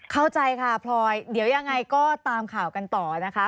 เข้าใจค่ะพลอยเดี๋ยวยังไงก็ตามข่าวกันต่อนะคะ